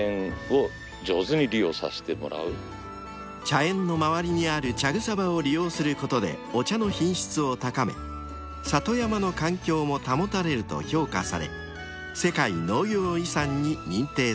［茶園の周りにある茶草場を利用することでお茶の品質を高め里山の環境も保たれると評価され世界農業遺産に認定されました］